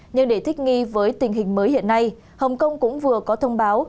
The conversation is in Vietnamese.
nhưng để thích nghi với tình hình mới hiện nay hồng kông cũng vừa có thông báo